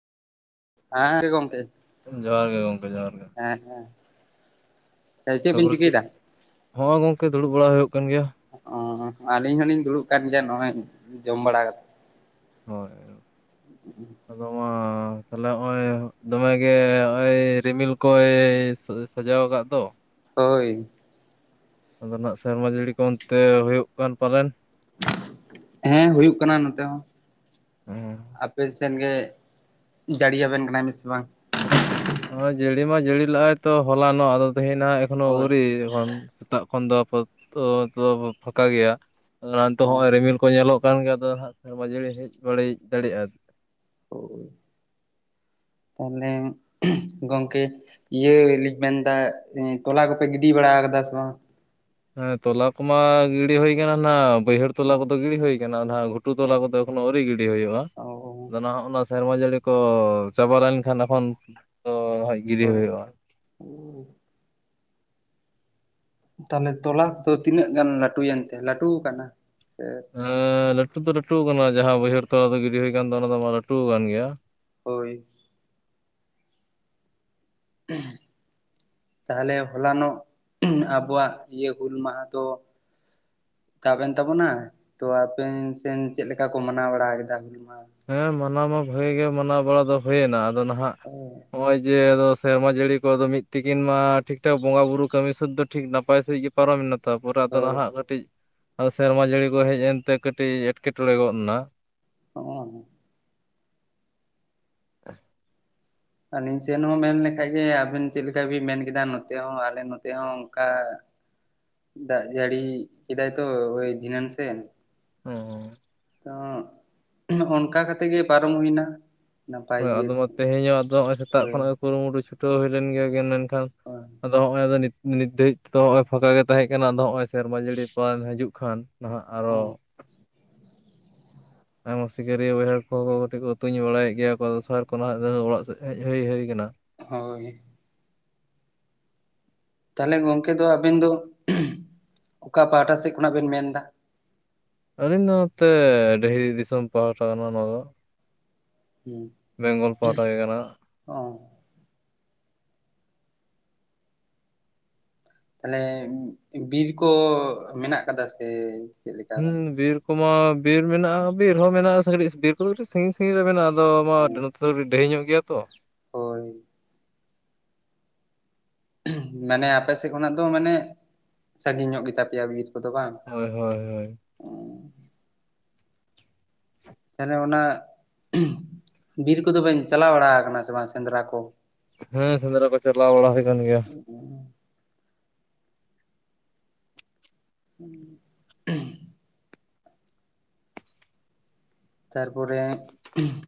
ᱦᱮᱸ ᱦᱮᱸ ᱜᱚᱢᱠᱮ ᱡᱚᱦᱟᱨ ᱜᱮ ᱜᱚᱝᱠᱮ ᱡᱚᱦᱟᱨ ᱜᱮ ᱦᱮᱸ ᱦᱮᱸ ᱵᱤᱱ ᱛᱟᱯᱚᱨᱮ ᱪᱮᱫ ᱪᱤᱠᱟᱹᱭᱮᱫᱟ? ᱦᱚᱸᱜᱚᱭ ᱜᱚᱝᱠᱮ ᱫᱩᱲᱩᱵ ᱵᱟᱲᱟ ᱦᱩᱭᱩᱜ ᱠᱟᱱ ᱜᱮᱭᱟ᱾ ᱚ ᱟᱹᱞᱤᱧ ᱦᱚᱞᱤᱧ ᱫᱩᱲᱩᱵ ᱠᱟᱱ ᱜᱮᱭᱟ ᱱᱚᱜᱼᱚᱭ ᱡᱚᱢᱽ ᱵᱟᱲᱟ ᱠᱟᱛᱮᱫᱽ ᱦᱳᱭ ᱟᱫᱚ ᱢᱟ ᱛᱟᱦᱚᱞᱮ ᱦᱚᱜᱼᱚᱭ ᱫᱚᱢᱮᱜᱮ ᱦᱚᱜᱼᱚᱭ ᱨᱤᱢᱤᱞ ᱠᱚᱭ ᱥᱟᱡᱟᱣ ᱟᱠᱟᱫ ᱫᱚ ᱦᱳᱭ ᱟᱫᱚ ᱱᱟᱦᱟᱜ ᱥᱮᱨᱢᱟ ᱡᱟᱹᱲᱤ ᱠᱚ ᱚᱱᱛᱮ ᱦᱩᱭᱩᱜ ᱠᱟᱱ ᱯᱟᱞᱮᱱ᱾ ᱦᱮᱸ ᱦᱩᱭᱩᱜ ᱠᱟᱱᱟ ᱱᱚᱛᱮ ᱦᱚᱸ ᱟᱯᱮ ᱥᱮᱫ ᱜᱮ ᱡᱟᱹᱲ ᱟᱵᱮᱱ ᱠᱟᱱᱟᱭ ᱢᱮᱥᱮ ᱵᱟᱝ᱾ ᱦᱚᱭ ᱡᱟᱹᱲᱤ ᱢᱟ ᱡᱟᱹᱲᱤ ᱞᱟᱜᱟᱭ ᱛᱚ ᱦᱚᱞᱟᱱᱚᱜ ᱟᱫᱚ ᱛᱟᱦᱮᱸᱱᱟᱦᱟᱜ ᱮᱠᱷᱚᱱᱳ ᱦᱳᱭ ᱟᱹᱣᱨᱤ ᱮᱠᱷᱚᱱ ᱥᱮᱛᱟᱜ ᱠᱷᱚᱱ ᱫᱚ ᱟᱯᱛᱛᱚ ᱯᱷᱟᱸᱠᱟ ᱜᱮᱭᱟᱛᱮ ᱦᱚᱸᱜᱚᱭ ᱦᱳᱭ ᱨᱤᱢᱤᱞ ᱠᱚ ᱧᱮᱞᱚᱜ ᱠᱟᱱᱟ ᱫᱚᱠᱟᱱ ᱜᱮᱫᱚ ᱦᱟᱸᱜ ᱵᱟᱡᱟᱹᱲᱤ ᱦᱮᱡ ᱵᱟᱹᱲᱤᱡ ᱫᱟᱲᱮᱼᱟ ᱛᱟᱦᱚᱞᱮ ᱜᱚᱝᱠᱮ ᱤᱭᱟᱹ ᱞᱤᱧ ᱢᱮᱱᱫᱟ ᱛᱚᱞᱟ ᱠᱚᱯᱮ ᱜᱤᱰᱤ ᱵᱟᱲᱟ ᱠᱟᱫᱟ ᱥᱮ ᱵᱟᱝ? ᱦᱮᱸ ᱛᱚᱞᱟ ᱠᱚᱢᱟ ᱜᱤᱰᱤ ᱦᱩᱭ ᱠᱟᱱᱟ ᱱᱟᱜ ᱵᱟᱹᱭᱦᱟᱹᱲ ᱛᱚᱞᱟ ᱠᱚᱫᱚ ᱜᱤᱰᱤ ᱦᱩᱭ ᱟᱠᱟᱱᱟ ᱱᱟᱦᱟᱜ ᱜᱷᱩᱴᱩ ᱛᱚᱞᱟ ᱦᱳᱭ ᱠᱚᱫᱚ ᱮᱠᱷᱚᱱᱳ ᱟᱹᱣᱨᱤ ᱜᱤᱰᱤ ᱦᱩᱭᱩᱜᱼᱟ᱾ ᱚ ᱟᱫᱚ ᱱᱟᱦᱟᱜ ᱚᱱᱟ ᱥᱮᱨᱢᱟ ᱡᱟᱹᱲᱤ ᱠᱚ ᱪᱟᱵᱟ ᱞᱮᱱᱠᱷᱟᱱ ᱮᱠᱷᱚᱱ ᱫᱚ ᱦᱟᱸᱜ ᱜᱤᱰᱤ ᱦᱳᱭ ᱦᱩᱭᱩᱜᱼᱟ᱾ [unintelligible] ᱛᱟᱦᱞᱮ ᱛᱚᱞᱟ ᱫᱚ ᱛᱤᱱᱟᱹᱜ ᱜᱟᱱ ᱞᱟᱴᱩᱭᱮᱱ ᱛᱮ ᱞᱟᱴᱩ ᱟᱠᱟᱱᱟ ᱥᱮ ᱦᱮᱸ ᱞᱟᱹᱴᱩ ᱫᱚ ᱞᱟᱹᱴᱩ ᱟᱠᱟᱱᱟ ᱡᱟᱦᱟᱸ ᱵᱟᱹᱭᱦᱟᱹᱲ ᱛᱚᱞᱟ ᱫᱚ ᱜᱤᱰᱤ ᱦᱩᱭ ᱟᱠᱟᱱ ᱫᱚ ᱚᱱᱟ ᱫᱚ ᱢᱟ ᱞᱟᱹᱴᱩ ᱠᱟᱱ ᱜᱮᱭᱟ᱾ ᱦᱳᱭ [unintelligible] ᱛᱟᱦᱚᱞᱮ ᱦᱚᱞᱟᱱᱚᱜ ᱟᱵᱚᱣᱟᱜ ᱤᱭᱟᱹ ᱦᱩᱞ ᱢᱟᱦᱟ ᱫᱚ ᱛᱟᱵ ᱮᱱ ᱛᱟᱵᱚᱱᱟ᱾ ᱛᱚ ᱟᱯᱮᱱ ᱥᱮᱱ ᱪᱮᱫ ᱞᱮᱠᱟ ᱠᱚ ᱢᱟᱱᱟᱣ ᱵᱟᱲᱟ ᱠᱮᱫᱟ ᱦᱩᱞ ᱢᱟᱦᱟ ᱦᱮᱸ ᱢᱟᱱᱟᱣ ᱢᱟ ᱵᱷᱟᱜᱤ ᱜᱮ ᱢᱟᱱᱟᱣ ᱵᱟᱲᱟ ᱫᱚ ᱦᱩᱭᱮᱱᱟ ᱟᱫᱚ ᱱᱟᱦᱟᱜ [unintelligible] ᱱᱚᱜ-ᱚᱭ ᱡᱮ ᱟᱫᱚ ᱥᱮᱨᱢᱟ ᱡᱟᱹᱲᱤ ᱠᱚ ᱫᱚ ᱢᱤᱫ ᱛᱤᱠᱤᱱ ᱢᱟ ᱴᱷᱤᱠ ᱴᱷᱟᱠ ᱵᱚᱸᱜᱟ ᱵᱩᱨᱩ ᱠᱟᱹᱢᱤ ᱥᱟᱹᱛ ᱫᱚ ᱴᱷᱤᱠ ᱱᱟᱯᱟᱭ ᱥᱟᱹᱦᱤᱡ ᱜᱮ ᱯᱟᱨᱚᱢᱮᱱᱟ ᱛᱟᱯᱚᱨᱮ ᱟᱫᱚ ᱦᱳᱭ ᱱᱟᱦᱟᱜ ᱠᱟᱹᱴᱤᱡ ᱟᱫᱚ ᱥᱮᱨᱢᱟ ᱡᱟᱹᱲᱤ ᱠᱚ ᱦᱮᱡ ᱮᱱᱛᱮ ᱠᱟᱹᱴᱤᱡ ᱮᱴᱠᱮᱴᱚᱬᱮ ᱜᱚᱫ ᱮᱱᱟ᱾ ᱚ [unintelligible] ᱟᱹᱞᱤᱧ ᱥᱮᱱ ᱦᱚᱸ ᱢᱮᱱ ᱞᱮᱠᱷᱟᱡ ᱜᱮ ᱟᱵᱤᱱ ᱪᱮᱫ ᱞᱮᱠᱟ ᱵᱤᱱ ᱢᱮᱱ ᱠᱮᱫᱟ ᱱᱚᱛᱮ ᱦᱚᱸ ᱟᱞᱮ ᱱᱚᱛᱮ ᱦᱚᱸ ᱚᱱᱠᱟ [inaudible] ᱫᱟᱜ ᱡᱟᱹᱲᱤ ᱠᱮᱫᱟᱭ ᱛᱚ ᱦᱳᱭ ᱫᱷᱤᱱᱟᱹᱱ ᱥᱮᱱ ᱦᱩᱸ ᱛᱚ, ᱚᱱᱠᱟ ᱠᱟᱛᱮᱜ ᱜᱮ ᱯᱟᱨᱚᱢ ᱦᱩᱭᱱᱟ᱾ ᱱᱟᱯᱟᱭ ᱦᱳᱭ ᱤᱭᱟᱹ ᱟᱫᱚ ᱛᱮ ᱢᱟ ᱛᱮᱦᱮᱧ ᱦᱚᱸ ᱟᱫᱚ ᱱᱚᱜ-ᱚᱭ ᱥᱮᱛᱟᱜ ᱦᱳᱭ ᱠᱷᱚᱱᱟᱜ ᱜᱮ ᱠᱩᱨᱩᱢᱩᱴᱩ ᱪᱷᱩᱴᱟᱹᱣ ᱦᱩᱭ ᱞᱮᱱ ᱜᱮᱭᱟ ᱜᱮ ᱢᱮᱱᱠᱷᱟᱱ ᱚ ᱟᱫᱚ ᱱᱚᱜᱼᱚᱭ ᱟᱫᱚ ᱱᱤᱛ ᱫᱷᱟᱹᱨᱤᱡ ᱛᱮᱛᱚ ᱱᱚᱜᱼᱚᱭ ᱯᱷᱟᱸᱠᱟ ᱜᱮ ᱛᱟᱦᱮᱸ ᱠᱟᱱᱟ ᱟᱫᱚ ᱱᱚᱜᱼᱚᱭ ᱥᱮᱨᱢᱟ ᱡᱟᱹᱲᱤ ᱯᱟᱞᱮᱱ ᱦᱤᱡᱩᱜ ᱠᱷᱟᱱ ᱱᱟᱦᱟᱜ ᱟᱨᱚ ᱟᱭᱢᱟ ᱥᱤᱠᱟᱹᱨᱤᱭᱟᱹ ᱵᱟᱹᱭᱦᱟᱹᱲ ᱠᱚᱦᱚᱸ ᱠᱟᱹᱴᱤᱡ ᱠᱚ ᱛᱩᱧ ᱵᱟᱲᱟᱭᱮᱫ ᱜᱮᱭᱟ ᱠᱚ ᱥᱟᱨ ᱠᱚ ᱢᱟᱦᱟᱜ, [unintelligible] ᱚᱲᱟᱜ ᱥᱮᱫ ᱦᱮᱡ ᱦᱩᱭ ᱦᱩᱭ ᱠᱟᱱᱟ ᱦᱳᱭ ᱛᱟᱦᱚᱞᱮ ᱜᱚᱝᱠᱮ ᱫᱚ ᱟᱵᱮᱱ ᱫᱚ ᱚᱠᱟ ᱯᱟᱦᱴᱟ ᱥᱮᱫ ᱠᱷᱚᱱᱟᱜ ᱵᱮᱱ ᱢᱮᱱ ᱮᱫᱟ? ᱟᱹᱞᱤᱧ ᱫᱚ ᱱᱚᱛᱮ ᱰᱟᱹᱦᱤ ᱫᱤᱥᱚᱢ ᱯᱟᱦᱴᱟ ᱠᱟᱱᱟ ᱱᱚᱣᱟ ᱫᱚ ᱦᱩᱸ ᱵᱮᱝᱜᱚᱞ ᱯᱟᱦᱴᱟ ᱜᱮ ᱠᱟᱱᱟ᱾ ᱚ ᱛᱟᱦᱞᱮ ᱵᱤᱨ ᱠᱚ ᱢᱮᱱᱟᱜ ᱠᱟᱫᱟ ᱥᱮ? ᱪᱮᱫ ᱞᱮᱠᱟ ᱵᱟᱝ? ᱦᱩᱸ ᱵᱤᱨ ᱠᱚᱢᱟ ᱵᱤᱨ ᱢᱮᱱᱟᱜᱼᱟ ᱵᱤᱨ ᱦᱚᱸ ᱢᱮᱱᱟᱜᱼᱟ᱾ ᱵᱤᱨ ᱠᱚᱫᱚ ᱠᱟᱹᱴᱤᱡ ᱥᱟᱺᱜᱤᱧ ᱥᱟᱺᱜᱤᱧ ᱨᱮ ᱢᱮᱱᱟᱜᱼᱟ ᱟᱫᱚ ᱱᱚᱛᱮ ᱫᱚ ᱰᱟᱹᱦᱤ ᱧᱚᱜ ᱜᱮᱭᱟ ᱛᱚ ᱦᱳᱭ ᱢᱟᱱᱮ ᱟᱯᱮ ᱥᱮᱫ ᱠᱷᱚᱱᱟᱜ ᱫᱚ ᱢᱟᱱᱮ ᱥᱟᱸᱜᱤᱧ ᱧᱚᱜ ᱜᱮᱛᱟᱯᱮᱭᱟ ᱵᱤᱨ ᱠᱚᱫᱚ ᱵᱟᱝ᱾ ᱦᱳᱭ ᱦᱳᱭ ᱦᱳᱭ ᱛᱟᱦᱞᱮ ᱚᱱᱟ ᱵᱤᱨ ᱠᱚᱫᱚ ᱵᱮᱱ ᱪᱟᱞᱟᱣ ᱵᱟᱲᱟ ᱠᱟᱱᱟ ᱥᱮ ᱵᱟᱝ ᱥᱮᱸᱫᱽᱨᱟ ᱠᱚ? ᱦᱮᱸ ᱥᱮᱸᱫᱽᱨᱟ ᱠᱚ ᱪᱟᱞᱟᱣ ᱵᱟᱲᱟ ᱦᱩᱭ ᱠᱟᱱ ᱜᱮᱭᱟ᱾ [inaudible] [unintelligible] ᱛᱟᱨᱯᱚᱨᱮ